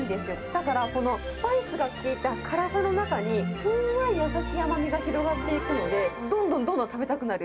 だからこのスパイスが利いた辛さの中に、ふんわり優しい甘みが広がっていくので、どんどんどんどん食べたくなる。